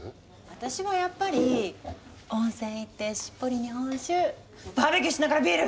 私はやっぱり温泉行ってしっぽり日本酒バーベキューしながらビール！